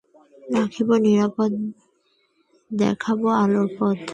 রাখিব নিরাপদ, দেখাবো আলোর পথ।